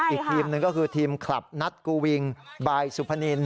อีกทีมหนึ่งก็คือทีมคลับนัดกูวิงบายสุพนิน